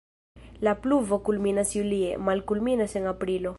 La pluvo kulminas julie, malkulminas en aprilo.